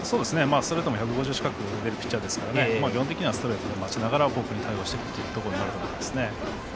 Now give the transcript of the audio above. ストレートも１５０近く出るピッチャーですから基本的にはストレートで待ちながらフォークに対応する形です。